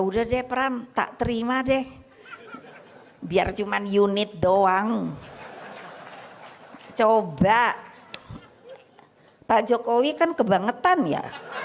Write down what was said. udah deh pram tak terima deh biar cuma unit doang coba pak jokowi kan kebangetan ya